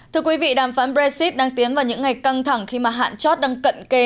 thưa quý vị đàm phán brexit đang tiến vào những ngày căng thẳng khi mà hạn chót đang cận kề